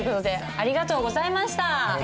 ありがとうございます。